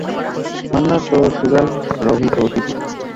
মান্নার তোর শ্যুগার, রভি তোর বিপি।